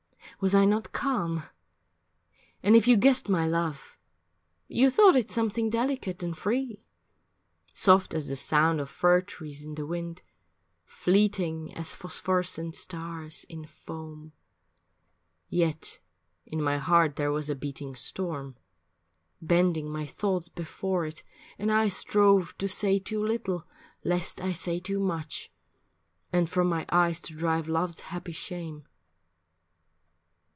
Was I not calm? And if you guessed my love You thought it something delicate and free, Soft as the sound of fir trees in the wind, Fleeting as phosphorescent stars in foam. Yet in my heart there was a beating storm Bending my thoughts before it, and I strove To say too little lest I say too much, And from my eyes to drive love's happy shame.